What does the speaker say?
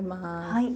はい。